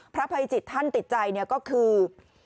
พระภัยจิตท่านติดใจก็คือ